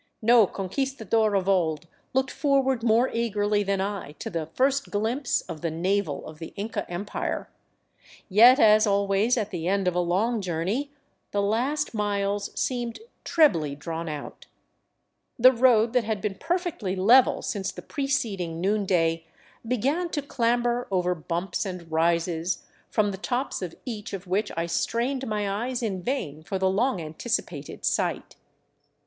No conquistador of old looked forward more eagerly than I to the first glimpse of the Navel of the Inca Empire; yet as always at the end of a long journey the last miles seemed trebly drawn out. The road that had been perfectly level since the preceding noonday began to clamber over bumps and rises, from the tops of each of which I strained my eyes in vain for the long anticipated sight.